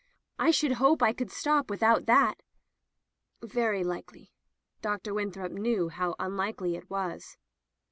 I should hope I could stop with out that." "Very likely." Dr. Winthrop knew how unlikely it was.